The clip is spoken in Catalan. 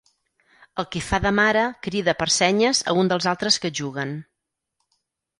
El qui fa de mare crida per senyes a un dels altres que juguen.